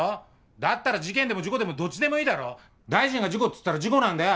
だったら事件でも事故でもどっちでもいいだろ大臣が事故つったら事故なんだよ！